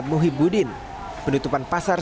muhyibudin penutupan pasar